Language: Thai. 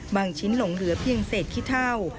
บางชิ้นหลงเหลือเพียงเสร็จคิดเท่า